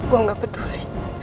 gue gak peduli